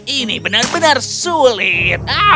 ini benar benar sulit